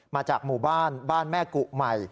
มาจากหมู่บ้านบ้านแม่กุใหม่